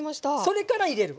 それから入れる。